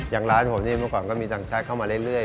อย่างร้านผมเมื่อก่อนก็มีต่างชาติเข้ามาเรื่อย